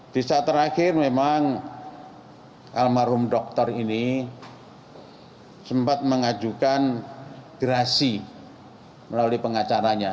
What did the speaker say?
di saat terakhir memang almarhum dokter ini sempat mengajukan gerasi melalui pengacaranya